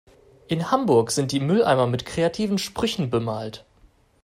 In Hamburg sind die Mülleimer mit kreativen Sprüchen bemalt.